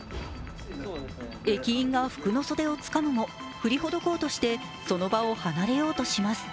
駅員が服の袖をつかむも、振りほどこうとしてその場を離れようとします。